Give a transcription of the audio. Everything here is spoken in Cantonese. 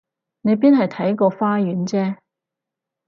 你邊係睇個花園啫？